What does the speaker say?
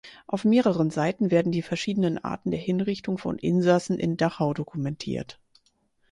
Auf mehreren Seiten werden die verschiedenen Arten der Hinrichtung von Insassen in Dachau dokumentiert.